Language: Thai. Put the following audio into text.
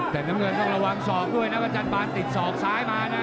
แต่น้ำเงินต้องระวังศอกด้วยนะว่าจันบานติดศอกซ้ายมานะ